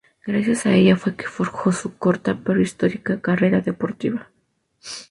Gracias a ella fue que forjó su corta pero histórica carrera deportiva.